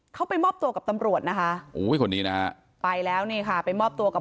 เขาไปมอบตัวกับตำรวจนะคะไปแล้วนี่ค่ะไปมอบตัวกับ